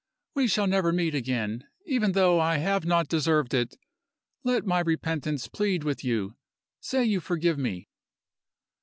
We shall never meet again. Even though I have not deserved it, let my repentance plead with you! Say you forgive me!"